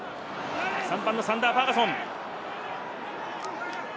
３番のザンダー・ファーガソン。